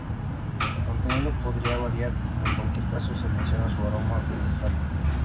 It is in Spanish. El contenido podría variar, pero en cualquier caso se menciona su aroma penetrante.